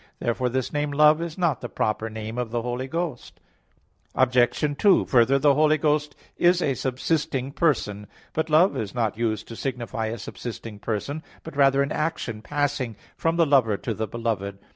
Therefore this name, "Love," is not the proper name of the Holy Ghost. Obj. 2: Further, the Holy Ghost is a subsisting person, but love is not used to signify a subsisting person, but rather an action passing from the lover to the beloved.